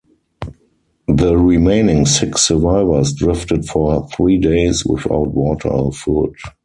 The remaining six survivors drifted for three days without water or food.